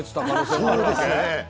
そうですね。